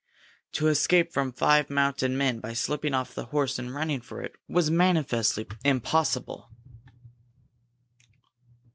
To escape from five mounted men by slipping off the horse and running for it was manifestly impossible.